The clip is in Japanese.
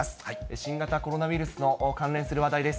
新型コロナウイルスの関連する話題です。